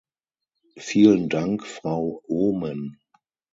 Vielen Dank, Frau Oomen.